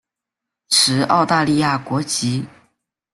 持澳大利亚国籍。